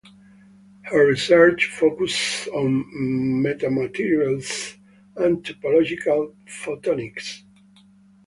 Her research focuses on metamaterials and topological photonics.